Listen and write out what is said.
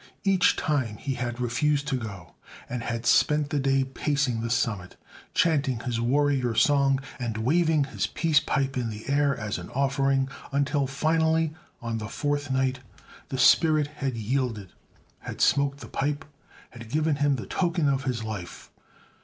Each time he had refused to go, and had spent the day pacing the summit, chanting his warrior song and waving his peace pipe in the air as an offering, until finally, on the fourth night, the spirit had yielded, had smoked the pipe, and had given him the token of his life.